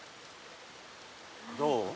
どう？